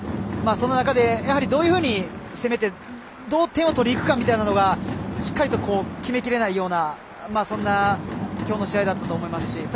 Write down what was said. その中で、どういうふうに攻めてどう点を取りにいくかというのがしっかりと決めきれないようなそんな今日の試合だったと思いますし。